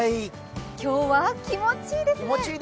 今日は気持ちいいですね。